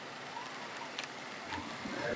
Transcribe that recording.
هغه د جګړې ناوړه اغېزې پېژندلې.